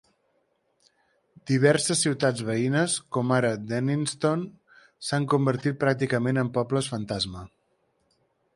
Diverses ciutats veïnes, com ara Denniston, s'han convertit pràcticament en pobles fantasma.